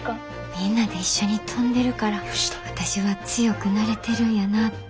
みんなで一緒に飛んでるから私は強くなれてるんやなって。